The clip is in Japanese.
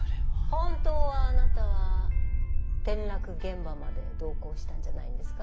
本当はあなたは転落現場まで同行したんじゃないんですか？